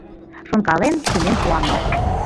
«Шонкален, шӱмем пуаҥын.